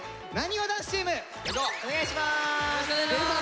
お願いします！